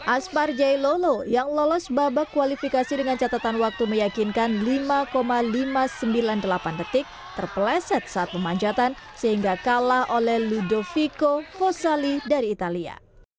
aspar jailolo yang lolos babak kualifikasi dengan catatan waktu meyakinkan lima lima ratus sembilan puluh delapan detik terpeleset saat memanjatan sehingga kalah oleh ludovico kosali dari italia